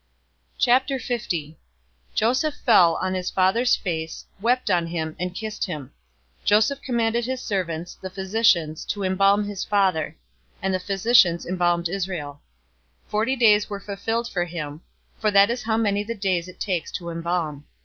050:001 Joseph fell on his father's face, wept on him, and kissed him. 050:002 Joseph commanded his servants, the physicians, to embalm his father; and the physicians embalmed Israel. 050:003 Forty days were fulfilled for him, for that is how many the days it takes to embalm.